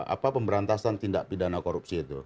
apa pemberantasan tindak pidana korupsi itu